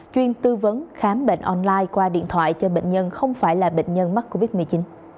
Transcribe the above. chuyên tư vấn khám bệnh online qua điện thoại cho bệnh nhân không phải là bệnh nhân mắc covid một mươi chín